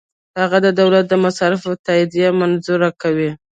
هغه د دولت د مصارفو تادیه منظوره کوي.